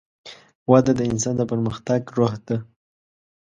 وده د انسان د پرمختګ روح ده.